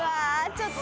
ちょっと。